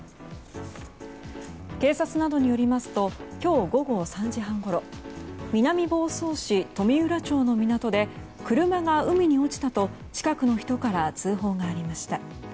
警察などによりますと今日午後３時半ごろ南房総市富浦町の港で車が海に落ちたと近くの人から通報がありました。